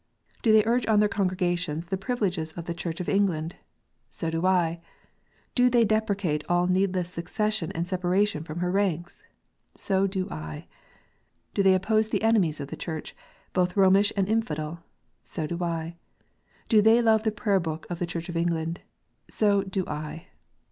Do they urge on their congregations the privileges of the Church of England ? So do I. Do they deprecate all needless secession and separation from her ranks ? So do I. Do they oppose the enemies of the Church, both Romish and infidel ? So do I. Do they love the Prayer book of the Church of England 1 So do I.